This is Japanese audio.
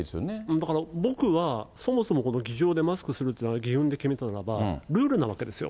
だから僕はそもそもこの議場でマスクするというのを議運で決めたならばルールなわけですよ。